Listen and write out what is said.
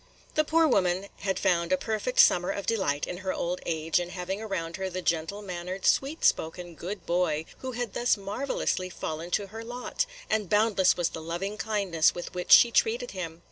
The poor woman had found a perfect summer of delight in her old age in having around her the gentle mannered, sweet spoken, good boy, who had thus marvellously fallen to her lot; and boundless was the loving kindness with which she treated him.